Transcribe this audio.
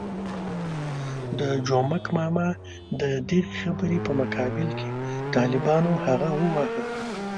د جومک ماما د دغې خبرې په مقابل کې طالبانو هغه وواهه.